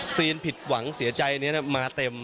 ผิดหวังเสียใจนี้มาเต็ม